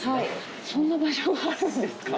そんな場所があるんですか？